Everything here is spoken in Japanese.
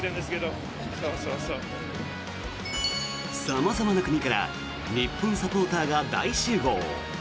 様々な国から日本サポーターが大集合。